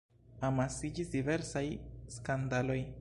Amasiĝis diversaj skandaloj.